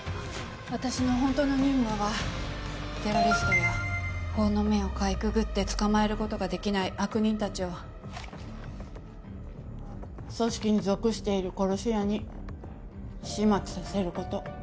私の本当の任務はテロリストや法の目をかいくぐって捕まえることができない悪人たちを組織に属している殺し屋に始末させること。